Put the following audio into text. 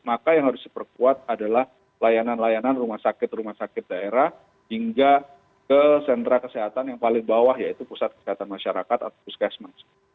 maka yang harus diperkuat adalah layanan layanan rumah sakit rumah sakit daerah hingga ke sentra kesehatan yang paling bawah yaitu pusat kesehatan masyarakat atau puskesmas